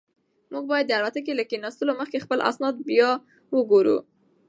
موږ باید د الوتکې له کښېناستو مخکې خپل اسناد بیا وګورو.